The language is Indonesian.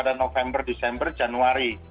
pada november desember januari